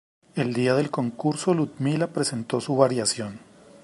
El día del concurso Ludmila presentó su variación.